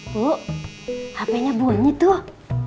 bu hp nya bunyi tuh